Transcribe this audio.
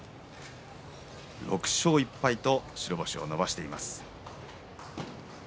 ６勝１敗と白星を伸ばしています。